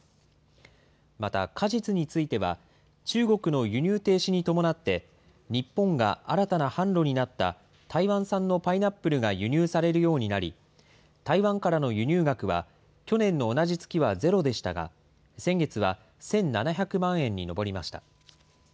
また、果実については、中国の輸入停止に伴って、日本が新たな販路になった台湾産のパイナップルが輸入されるようになり、台湾からの輸入額は去年の同じ月はゼロでしたが、先月は１７００万円に上りました。